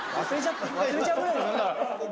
忘れちゃうぐらいなんだ。